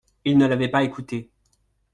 Ils ne l’avaient pas écouté.